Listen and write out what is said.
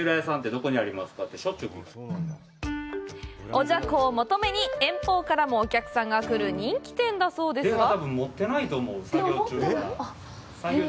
おじゃこを求めに、遠方からもお客さんが来る人気店だそうですが。